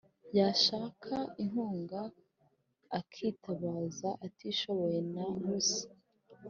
yashaka inkunga, akitabaza ikitishoboye na busa;